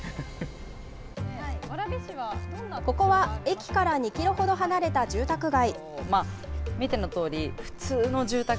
ここは駅から２キロほど離れた住宅街。